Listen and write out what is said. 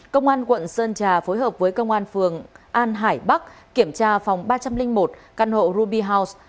công an quận sơn trà phối hợp với công an phường an hải bắc kiểm tra phòng ba trăm linh một căn hộ ruby house